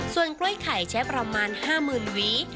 ส่วนกล้วยไข่ใช้ประมาณ๕๐๐๐หวี